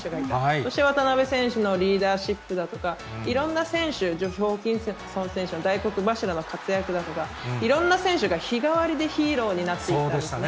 そして渡邊選手のリーダーシップだとか、いろんな選手、ジョシュ・ホーキンソン選手、大黒柱の活躍だとか、いろんな選手が日替わりでヒーローになっていきましたね。